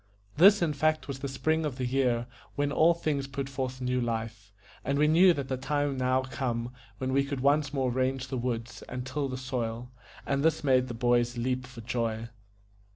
This in fact was the spring of the year, when all things put forth new life; and we knew that the time was now come when we could once more range the woods and till the soil, and this made the boys leap for joy.